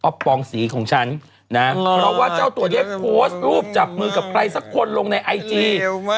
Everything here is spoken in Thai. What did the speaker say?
ปองสีของฉันนะเพราะว่าเจ้าตัวได้โพสต์รูปจับมือกับใครสักคนลงในไอจี